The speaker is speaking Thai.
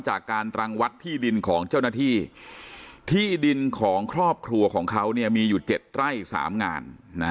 การรังวัดที่ดินของเจ้าหน้าที่ที่ดินของครอบครัวของเขามีอยู่๗ไร่๓งาน